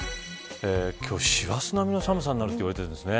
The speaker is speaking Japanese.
今日、師走並みの寒さになるといわれているんですね。